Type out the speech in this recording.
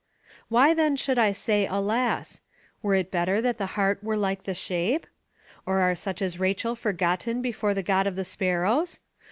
Why then should I say alas? Were it better that the heart were like the shape? or are such as Rachel forgotten before the God of the sparrows?